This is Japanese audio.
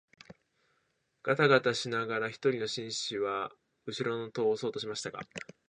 がたがたしながら一人の紳士は後ろの戸を押そうとしましたが、